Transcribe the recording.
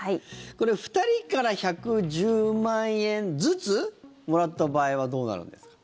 これ、２人から１１０万円ずつもらった場合はどうなるんですか。